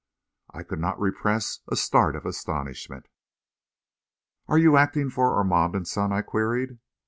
I could not repress a start of astonishment. "Are you acting for Armand & Son?" I queried.